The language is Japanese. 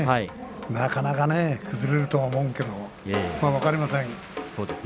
なかなかね崩れると思わないけど分かりません。